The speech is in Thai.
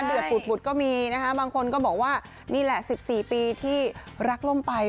เดือดปุดก็มีนะคะบางคนก็บอกว่านี่แหละ๑๔ปีที่รักล่มไป